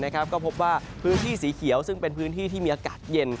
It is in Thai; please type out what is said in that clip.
ก็พบว่าพื้นที่สีเขียวซึ่งเป็นพื้นที่ที่มีอากาศเย็น